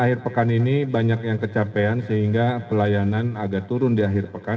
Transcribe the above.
akhir pekan ini banyak yang kecapean sehingga pelayanan agak turun di akhir pekan